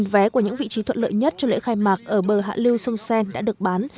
một trăm linh vé của những vị trí thuận lợi nhất cho lễ khai mạc ở bờ hạ lưu sông seine đã được bán